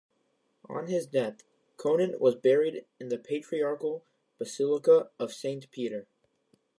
On his death, Conon was buried in the Patriarchal Basilica of Saint Peter.